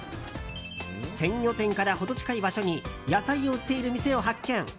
鮮魚店からほど近い場所に野菜を売っている店を発見。